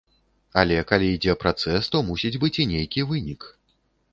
Але калі ідзе працэс, то мусіць быць і нейкі вынік.